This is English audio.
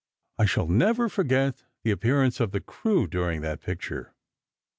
I shall never forget the appearance of the crew during that picture.